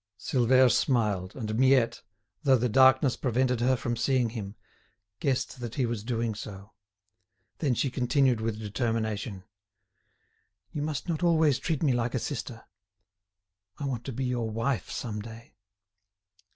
Silvère smiled, and Miette, though the darkness prevented her from seeing him, guessed that he was doing so. Then she continued with determination: "You must not always treat me like a sister. I want to be your wife some day."